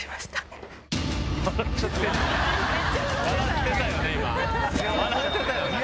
笑ってたよね